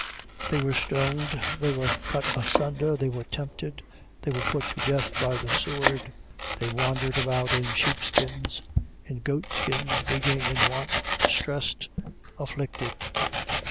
11:37. They were stoned, they were cut asunder, they were tempted, they were put to death by the sword, they wandered about in sheepskins, in goatskins, being in want, distressed, afflicted: 11:38.